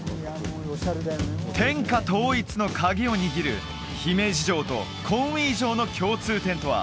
天下統一のカギを握る姫路城とコンウィ城の共通点とは？